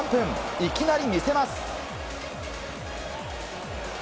いきなり見せます。